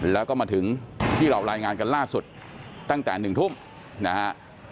แล้วก็มาถึงที่เรารายงานกันล่าสุดตั้งแต่๑ทุ่มนะฮะ